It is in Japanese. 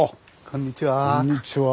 こんにちは。